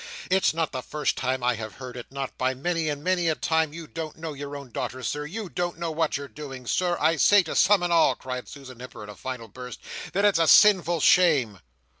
"It's not the first time I have heard it, not by many and many a time you don't know your own daughter, Sir, you don't know what you're doing, Sir, I say to some and all," cried Susan Nipper, in a final burst, "that it's a sinful shame!"